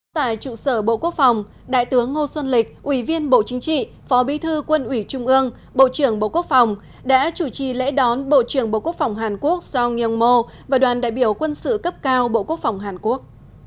tại trụ sở bộ quốc phòng đại tướng ngô xuân lịch ủy viên bộ chính trị phó bí thư quân ủy trung ương bộ trưởng bộ quốc phòng đã chủ trì lễ đón bộ trưởng bộ quốc phòng hàn quốc seo yung mo và đoàn đại biểu quân sự cấp cao bộ quốc phòng hàn quốc